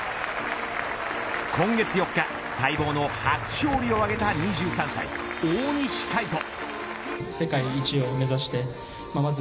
今月４日待望の初勝利を挙げた２３歳大西魁斗。